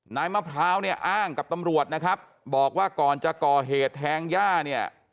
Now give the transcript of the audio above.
มะพร้าวเนี่ยอ้างกับตำรวจนะครับบอกว่าก่อนจะก่อเหตุแทงย่าเนี่ย